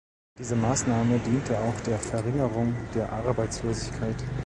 Diese Maßnahme diente auch der Verringerung der Arbeitslosigkeit.